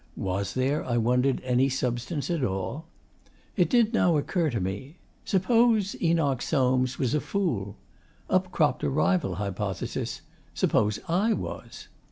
Was there, I wondered, any substance at all? It did now occur to me: suppose Enoch Soames was a fool! Up cropped a rival hypothesis: suppose I was!